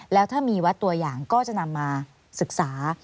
แล้วถ้ามีวัดตัวอย่างก็จะนำมาศึกษา